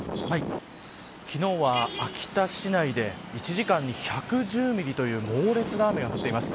昨日は、秋田市内で１時間に１１０ミリという猛烈な雨が降っています。